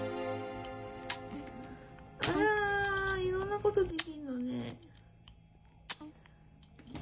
あらーいろんなことできるのね。